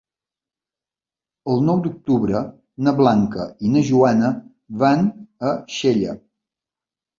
El nou d'octubre na Blanca i na Joana van a Xella.